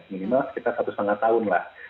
minimal sekitar satu lima tahun lah